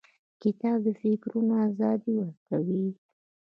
کتاب د فکرونو ازادي ورکوي.